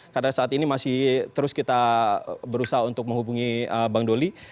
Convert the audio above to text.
karena saat ini masih terus kita berusaha untuk menghubungi bang doli